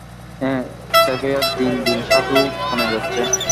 Harry সেভেয়ার দিন দিন সাধু বনে যাচ্ছে।